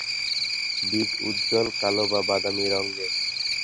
বীজ উজ্জ্বল কালো বা বাদামি রঙের।